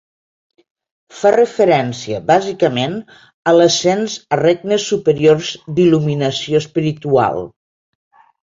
Fa referència bàsicament a l'ascens a regnes superiors d'il·luminació espiritual.